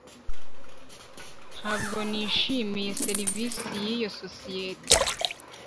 Ntabwo nishimiye serivisi yiyo sosiyete